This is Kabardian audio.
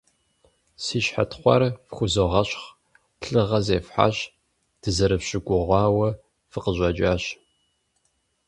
Си щхьэ тхъуар фхузогъэщхъ, лӀыгъэ зефхьащ, дызэрыфщыгугъауэ фыкъыщӀэкӀащ!